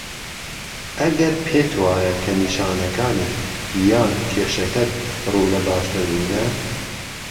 ئەگەر پێت وایه که نیشانەکانت یان کێشەکەت ڕوو له باشتربوونه